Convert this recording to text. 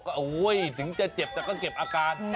ก็ถึงจะเจ็บแต่ก็เก็บอาการ